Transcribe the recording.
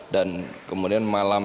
dan kemudian masuk ke dalam kotak suara